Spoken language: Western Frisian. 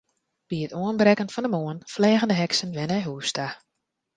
By it oanbrekken fan de moarn fleagen de heksen wer nei hús ta.